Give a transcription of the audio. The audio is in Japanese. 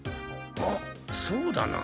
あっそうだな。